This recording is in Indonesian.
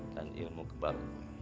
kan ilmu kebaga